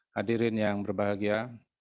hadirin yang berbahagia